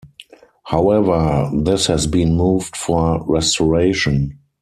However, this has been moved for restoration.